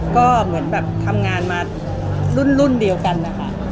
ก็เหมือนแบบทำงานมารุ่นเดียวกันนะคะ